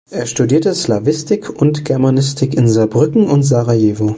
Er studierte Slawistik und Germanistik in Saarbrücken und Sarajevo.